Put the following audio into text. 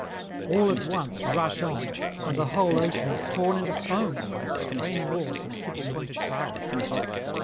All at once rush on, and the whole ocean is torn into foam by straining oars and triple pointed prows.